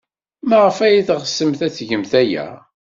Maɣef ay teɣsemt ad tgemt aya?